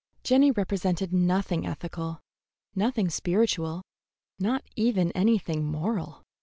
Jenny represented nothing ethical, nothing spiritual, not even anything moral.